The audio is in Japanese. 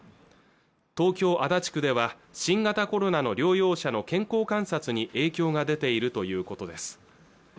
東京足立区では新型コロナの療養者の健康観察に影響が出ているということです